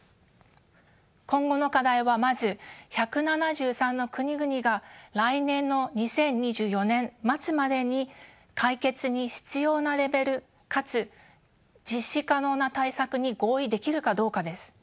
今後の課題はまず１７３の国々が来年の２０２４年末までに解決に必要なレベルかつ実施可能な対策に合意できるかどうかです。